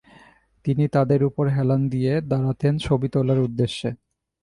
তিনি তাদের উপর হেলান দিয়ে দাঁড়াতেন ছবি তোলার উদ্দেশ্যে।